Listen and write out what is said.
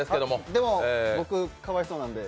でも僕、かわいそうなんで。